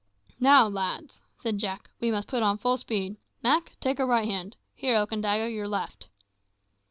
"Now, lads," said Jack, "we must put on full speed. Mak, take her right hand. Here, Okandaga, your left."